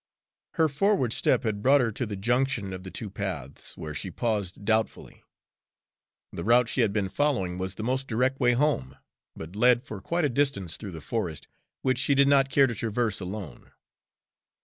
Her forward step had brought her to the junction of the two paths, where she paused doubtfully. The route she had been following was the most direct way home, but led for quite a distance through the forest, which she did not care to traverse alone.